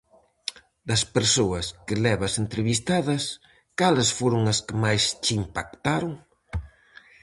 Das persoas que levas entrevistadas, cales foron as que máis che impactaron?